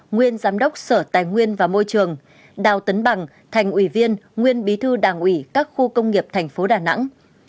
nguyên giám đốc sở tài nguyên và môi trường đào tấn bằng thành ủy viên nguyên bí thư đảng ủy các khu công nghiệp tp đà nẵng